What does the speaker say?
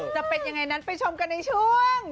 จะเป็นยังไงนั้นไปชมกันในช่วง